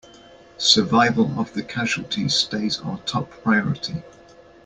Survival of the casualties stays our top priority!